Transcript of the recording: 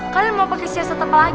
kalian mau pakai siasat apa lagi